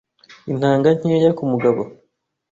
Intanga nkeya ku mugabo